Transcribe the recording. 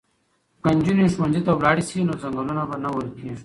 که نجونې ښوونځي ته لاړې شي نو ځنګلونه به نه وهل کیږي.